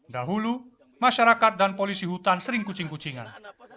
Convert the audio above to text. dahulu masyarakat dan polisi hutan sering kucing kucingan